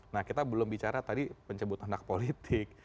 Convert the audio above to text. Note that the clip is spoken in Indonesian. nah kita belum bicara tadi pencebut anak politik